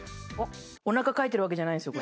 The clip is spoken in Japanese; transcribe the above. おなかかいてるわけじゃないんですよ